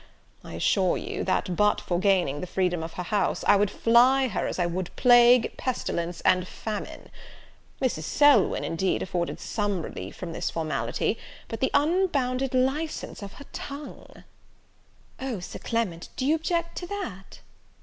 I assure you, that but for gaining the freedom of her house, I would fly her as I would plague, pestilence, and famine. Mrs. Selwyn, indeed, afforded some relief from this formality, but the unbounded license of her tongue " "O, Sir Clement, do you object to that?"